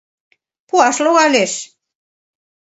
— Пуаш логалеш...